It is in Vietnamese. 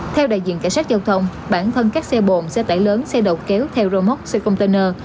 theo đại diện cảnh sát giao thông bản thân các xe bồn xe tải lớn xe đầu kéo theo rơ móc xe container